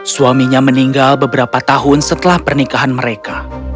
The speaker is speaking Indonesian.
suaminya meninggal beberapa tahun setelah pernikahan mereka